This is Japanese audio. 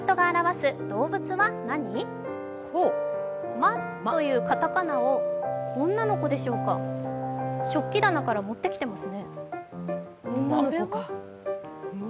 「マ」というカタカナを女の子でしょうか食器棚から持ってきていますね。